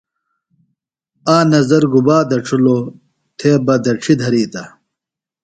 آ نظر گُبا دڇھلوۡ تھے بہ دڇھی دھرِیتہ۔